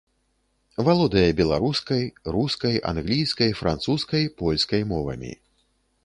Валодае беларускай, рускай, англійскай, французскай, польскай мовамі.